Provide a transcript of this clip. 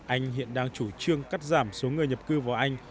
anh hiện đang chủ trương cắt giảm số người nhập cư vào anh